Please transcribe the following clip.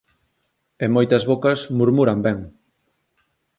E moitas bocas murmuran ben.